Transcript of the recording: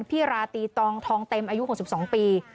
พี่ราตีตทองเต็มอายุ๖๒ปี